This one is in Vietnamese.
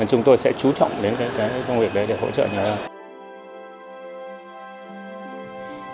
nên chúng tôi sẽ trú trọng đến công việc đấy để hỗ trợ nhiều hơn